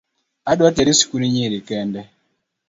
Adwa teri sikund nyiri kende